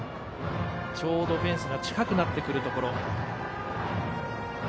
ちょうどフェンスが近くなってくるところ。